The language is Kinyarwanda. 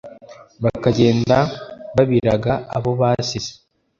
bakagenda babiraga abo basize